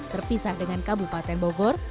terpisah dengan kabupaten bogor